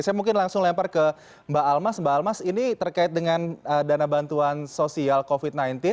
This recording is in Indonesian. saya mungkin langsung lempar ke mbak almas mbak almas ini terkait dengan dana bantuan sosial covid sembilan belas